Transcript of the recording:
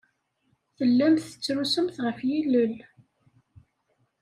Tellamt tettrusumt ɣef yilel.